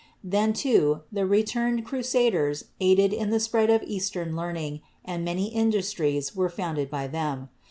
Then, too, the returned crusaders aided in the spread of Eastern learning and many industries were founded by them.